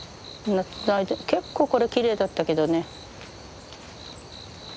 夏の間結構これきれいだったけどね。